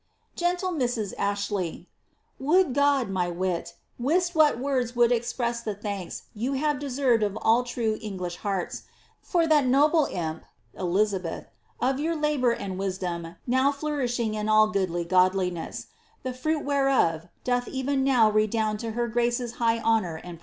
* Gentle Mrs. Astley, Would God my wit wist what words would express the U;anksyou have deserved of all true Kngli>h hearts, for that noble imp (Elizabeth) by your labour and wisdom now flourishing in all gn<><lly go<lliness, the fruit wb*reof doth even now redound to her Grace's high honour and profit.